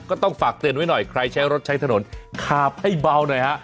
ก็ต้องฝากเตือนไว้หน่อยใครใช้รถใช้ถนนขับให้เบาหน่อยฮะ